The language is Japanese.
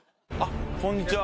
こんにちは。